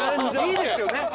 いいですよね？